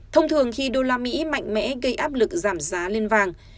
thông thường khi usd mạnh mẽ gây áp lực giảm giá lên vàng